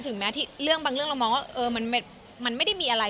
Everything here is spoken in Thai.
ถึงแม้บางเรื่องเรามองว่ามันไม่ได้มีอะไร